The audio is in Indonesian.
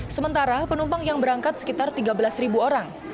sementara penumpang yang berangkat sekitar tiga belas orang